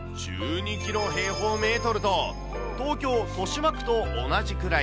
その大きさはおよそ１２キロ平方メートルと、東京・豊島区と同じくらい。